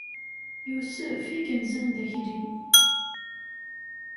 Yusef, i yenzan d akli.